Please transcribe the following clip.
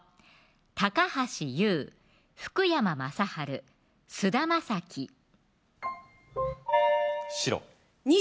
高橋優・福山雅治・菅田将暉白虹